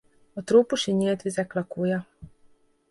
A trópusi nyílt vizek lakója.